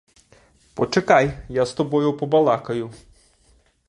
Почекай, я з тобою побалакаю!